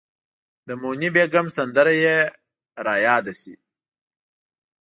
د موني بیګم سندره یې ریاده شي.